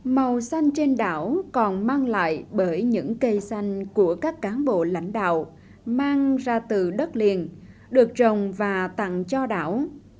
màu xanh trên đảo còn mang lại bởi những cây xanh của các cán bộ lãnh đạo mang ra từ đất liền được trồng và tặng cho đảo